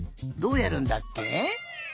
どうやるんだっけ？